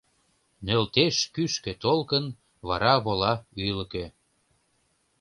Нӧлтеш кӱшкӧ толкын, вара вола ӱлыкӧ.